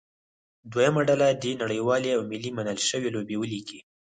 دویمه ډله دې نړیوالې او ملي منل شوې لوبې ولیکي.